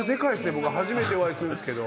僕初めてお会いするんすけど。